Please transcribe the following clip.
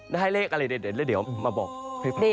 ได้เลขอะไรหล่ะเดี๋ยวมาบอกคลิป